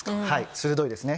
鋭いですね。